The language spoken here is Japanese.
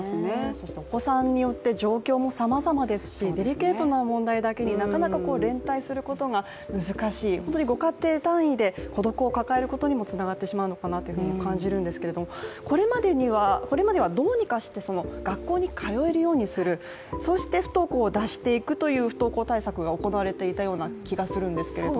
そしてお子さんによって状況もさまざまですしデリケートな問題だけになかなか連帯することが難しい、本当にご家庭単位で孤独を抱えることにもつながってしまうかなと感じてしまうんですけれどもこれまではどうにかして学校に通えるようにするそうして不登校を脱していくという不登校対策が行われていた気がするんですけども。